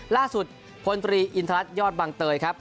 ล่าสุดพลตุรีอินทรัศน์ยอดบังเตยครับ